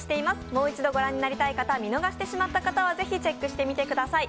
もう一度御覧になりたい方、見逃してしまった方はぜひチェックしてみてください。